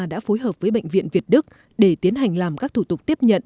đã phối hợp với bệnh viện việt đức để tiến hành làm các thủ tục tiếp nhận